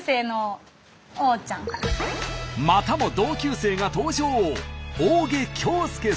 またも同級生が登場。